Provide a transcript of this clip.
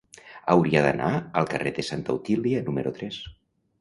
Hauria d'anar al carrer de Santa Otília número tres.